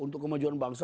untuk kemajuan bangsa